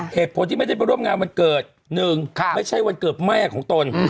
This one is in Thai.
เหตุผลที่ไม่ได้ไปร่วมงานวันเกิด๑ไม่ใช่วันเกิดแม่ของตน